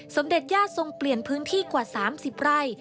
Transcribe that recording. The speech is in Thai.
สมเด็จญาติทรงเปลี่ยนพื้นที่กว่า๓๐ไร่